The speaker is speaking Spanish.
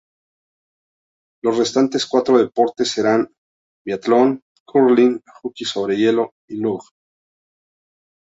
Los restantes cuatro deportes serán: biatlón, curling, hockey sobre hielo y luge.